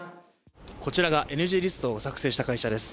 こちらがＮＧリストを作成した会社です。